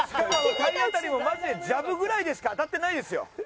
体当たりもマジでジャブぐらいでしか当たってないですよ。